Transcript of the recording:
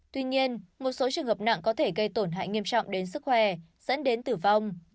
tuy nhiên một số trường hợp nặng có thể gây tổn hại nghiêm trọng đến sức khỏe dẫn đến tử vong